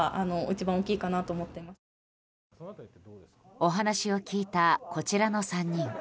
お話を聞いた、こちらの３人。